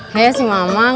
hei sih ma mang